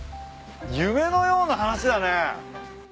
夢のような話だね。